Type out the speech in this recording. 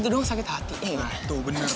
tidak ada yang ngajakin